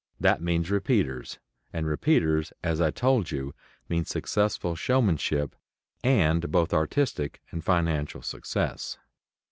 That means "repeaters," and repeaters, as I told you, mean successful showmanship, and both artistic and financial success.